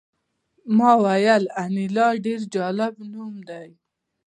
ما وویل انیلا ډېر جالب نوم دی